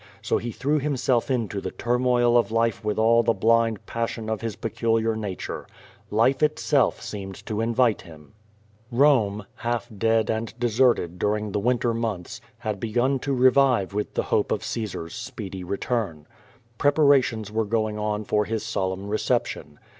So he threw himself into the turmoil of life with all the blind pas sion of his peculiar nature. Life itself seemed to iuA ite him. Rome, half dead and deserted during the winter months, had begun to revive with the hopq of Caesar's speedy return. QUO VADIS. 229 Preparations woro going on for his solemn reception.